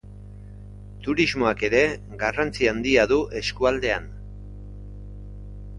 Turismoak ere garrantzi handia du eskualdean.